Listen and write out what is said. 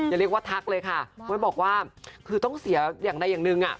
อย่าเรียกว่าทักเลยค่ะเขาบอกว่าคือต้องเสียอย่างไรอย่างนึง